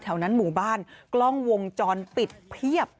แถวนั้นหมู่บ้านกล้องวงจรปิดเพียบ